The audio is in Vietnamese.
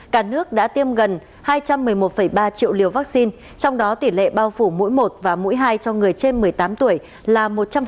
cả nước đã tiêm gần hai trăm một mươi một ba triệu liều vaccine trong đó tỷ lệ bao phủ mỗi một và mũi hai cho người trên một mươi tám tuổi là một trăm linh